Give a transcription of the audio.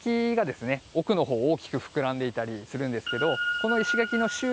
奥の方大きく膨らんでいたりするんですけど。